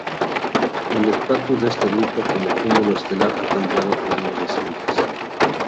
El estatus de este grupo como cúmulo estelar ha cambiado en años recientes.